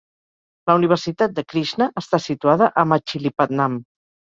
La Universitat de Krishna està situada a Machilipatnam.